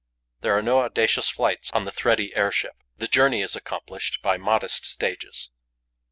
There are no audacious flights on the thready airship; the journey is accomplished by modest stages.